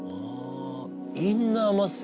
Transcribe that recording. インナーマッスル